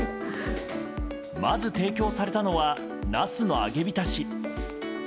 まず提供されたのはなすの揚げ浸し。